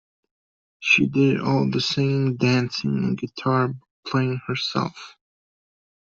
She did all the singing, dancing and guitar playing herself.